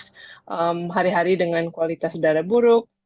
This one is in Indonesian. terjadi dengan kualitas udara buruk